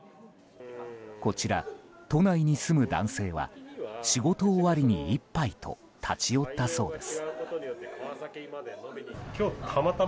こちら、都内に住む男性は仕事終わりに１杯と立ち寄ったそうです。